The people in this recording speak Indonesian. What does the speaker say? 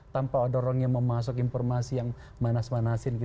tanpa ada orang yang memasuk informasi yang manas manasin